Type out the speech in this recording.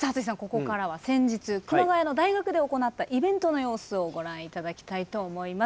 ここからは先日熊谷の大学で行ったイベントの様子をご覧頂きたいと思います。